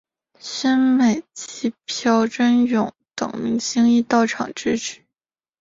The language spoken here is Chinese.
宣美及朴轸永等明星亦到场支持。